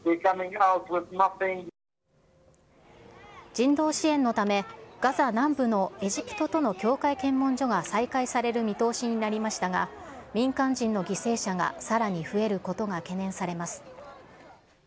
人道支援のため、ガザ南部のエジプトとの境界検問所が再開される見通しになりましたが、民間人の犠牲者がさらに増えることが懸念されます。